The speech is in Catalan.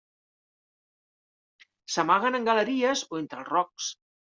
S'amaguen en galeries o entre els rocs.